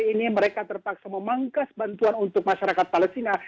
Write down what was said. ini mereka terpaksa memangkas bantuan untuk masyarakat palestina